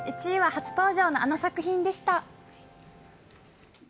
１位は初登場のあの作品でした。